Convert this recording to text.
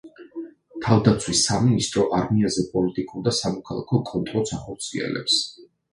თავდაცვის სამინისტრო არმიაზე პოლიტიკურ და სამოქალაქო კონტროლს ახორციელებს.